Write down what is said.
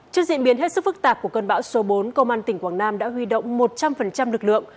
trước diễn biến hết sức phức tạp của cơn bão số bốn công an tỉnh quảng nam đã huy động một trăm linh lực lượng